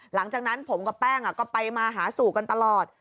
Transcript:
หลังจากนั้นผมกับแป้งก็ไปมาหาสู่กันตลอด